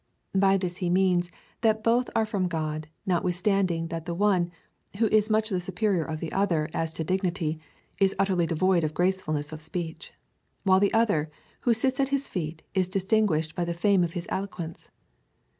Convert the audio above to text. "' By this he means, that both are from God, notwithstanding that the one, who is much the superior of the other as to dignity, is utterly devoid of gracefulness of speech ; while the other, who sits at his feet, is distinguished by the fame of his eloquence.